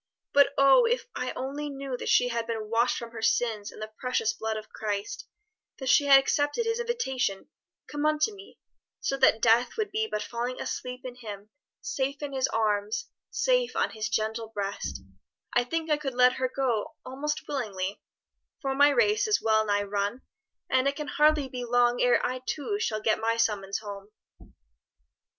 But oh if I only knew that she had been washed from her sins in the precious blood of Christ, that she had accepted His invitation, 'Come unto me,' so that death would be but falling asleep in Him, safe in His arms, safe on His gentle breast I think I could let her go almost willingly, for my race is well nigh run, and it can hardly be long ere I too shall get my summons home."